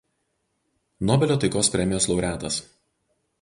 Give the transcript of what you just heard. Nobelio taikos premijos laureatas.